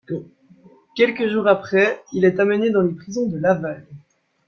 Quelques jours après, il est amené dans les prisons de Laval.